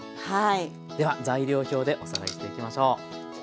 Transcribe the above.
では材料表でおさらいしていきましょう。